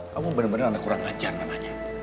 kamu bener bener anak kurang ajar namanya